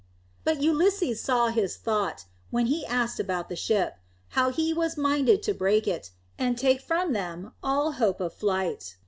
But Ulysses saw his thought when he asked about the ship, how he was minded to break it, and take from them all hope of flight.